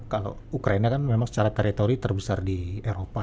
kalau ukraina kan memang secara teritori terbesar di eropa